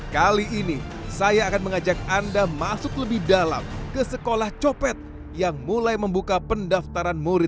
kali ini saya akan mengajak anda masuk lebih dalam ke sekolah copet yang mulai membuka pendaftaran murid